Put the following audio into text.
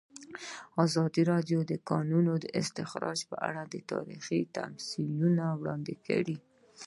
ازادي راډیو د د کانونو استخراج په اړه تاریخي تمثیلونه وړاندې کړي.